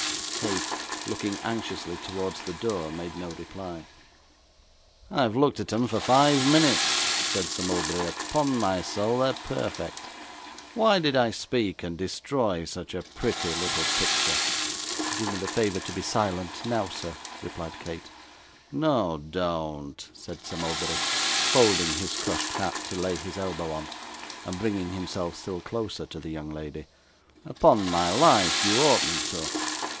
Kate, looking anxiously towards the door, made no reply. 'I have looked at 'em for five minutes,' said Sir Mulberry. 'Upon my soul, they're perfect. Why did I speak, and destroy such a pretty little picture?' 'Do me the favour to be silent now, sir,' replied Kate. 'No, don't,' said Sir Mulberry, folding his crushed hat to lay his elbow on, and bringing himself still closer to the young lady; 'upon my life, you oughtn't to.